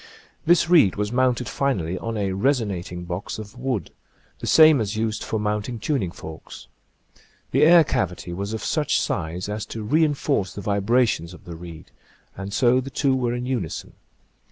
This reed was mounted finally on a resonat ing box of wood, the same as used for mount ing tuning forks. The air cavity was of such size as to re enforce the vibrations of the reed, and so the two were in unison.